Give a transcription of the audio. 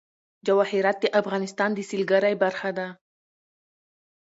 جواهرات د افغانستان د سیلګرۍ برخه ده.